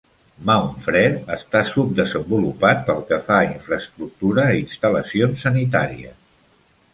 Mount Frere està subdesenvolupat pel que fa a infraestructura i instal·lacions sanitàries.